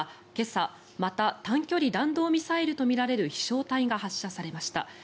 今朝また短距離弾道ミサイルとみられる飛翔体が発射されました。